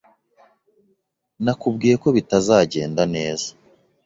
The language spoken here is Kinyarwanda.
Nakubwiye ko bitazagenda neza.